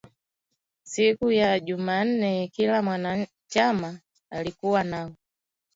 Siku ya jumanne kila mwanachama alikuwa na